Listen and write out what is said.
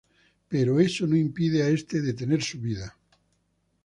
Pero eso no impide a este detener su vida.